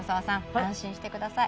安心してください